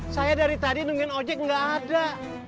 saya dari tadi nungguin ojek nggak ada